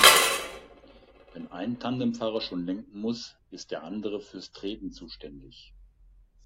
Wenn ein Tandemfahrer schon lenken muss, ist der andere fürs Treten zuständig.